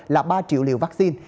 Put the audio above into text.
là ba triệu liều vaccine